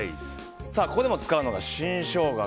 ここでも使うのが新ショウガ。